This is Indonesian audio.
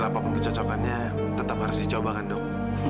namun sekecil apapun kecocokannya tetap harus dicobakan dok